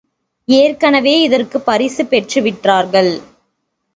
ஏற்கனவே இதற்குப் பரிசு பெற்று விட்டார்கள்.